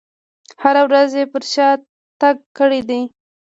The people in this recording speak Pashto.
هره ورځ یې پر شا تګ کړی دی.